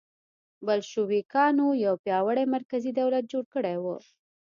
بلشویکانو یو پیاوړی مرکزي دولت جوړ کړی و